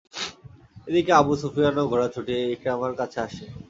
এদিকে আবু সুফিয়ানও ঘোড়া ছুটিয়ে ইকরামার কাছে আসে।